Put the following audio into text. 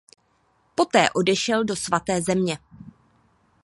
Poté odešel do Svaté země.